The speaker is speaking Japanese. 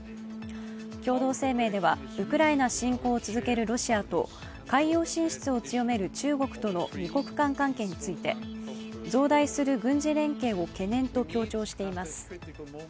共同声明ではウクライナ侵攻を続けるロシアと海洋進出を強める中国との二国間関係について増大する軍事連携を懸念と強調しています。